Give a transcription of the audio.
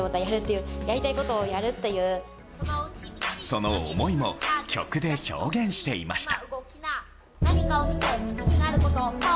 その思いも曲で表現していました。